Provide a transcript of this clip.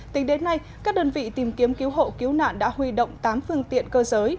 tính đến nay các đơn vị tìm kiếm cứu hộ cứu nạn đã huy động tám phương tiện cơ giới